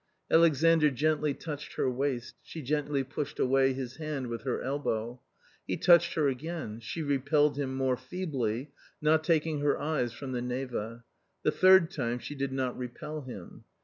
Alexandr gently touched her waist. She gently pushed away his hand with her elbow. He touched her again, she repelled him more feebly, not taking her eyes from the Neva. The third time she did not repell him.